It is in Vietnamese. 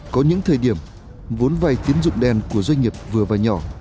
có những thời điểm vốn vay tín dụng đen của doanh nghiệp vừa và nhỏ